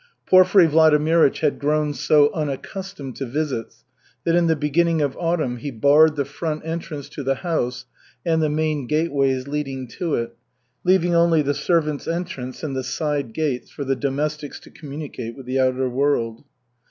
Porfiry Vladimirych had grown so unaccustomed to visits that in the beginning of autumn he barred the front entrance to the house and the main gateways leading to it, leaving only the servants' entrance and the side gates for the domestics to communicate with the outer world.